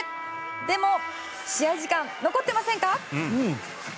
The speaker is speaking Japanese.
でも、試合時間残ってませんか？